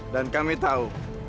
dan kami tahu